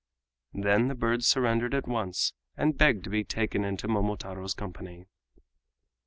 Then the bird surrendered at once, and begged to be taken into Momotaro's company.